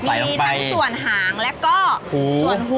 ตัดลงไปทั้งส่วนหางแล้วก็คอว